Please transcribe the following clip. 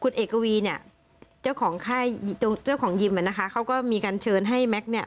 คุณเอกวีเนี่ยเจ้าของค่ายเจ้าของยิมอ่ะนะคะเขาก็มีการเชิญให้แม็กซ์เนี่ย